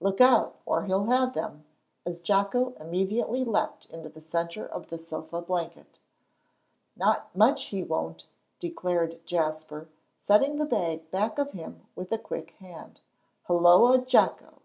"Look out, or he'll have them," as Jocko immediately leaped into the centre of the sofa blanket. "Not much he won't," declared Jasper, setting the bag back of him with a quick hand. "Hulloa, Jocko!"